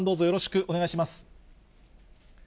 よろしくお願いします。